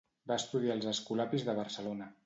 Va estudiar als Escolapis de Barcelona.